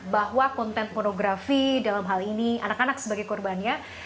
bahwa konten pornografi dalam hal ini anak anak sebagai korbannya